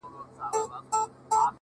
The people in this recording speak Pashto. زړگى مي غواړي چي دي خپل كړمه زه”